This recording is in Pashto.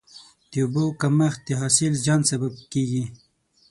د اوبو کمښت د حاصل زیان سبب کېږي.